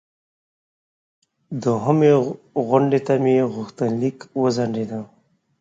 دوهمې غونډې ته مې غوښتنلیک وځنډیده.